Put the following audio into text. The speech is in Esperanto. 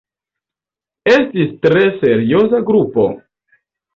Estis tre serioza grupo.